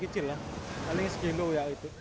kecil lah paling sekilo ya itu